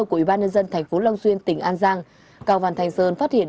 của ủy ban nhân dân thành phố long xuyên tỉnh an giang cao văn thanh sơn phát hiện